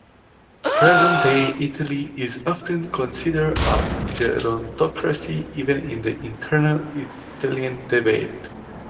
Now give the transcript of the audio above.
Present-day Italy is often considered a gerontocracy, even in the internal Italian debate.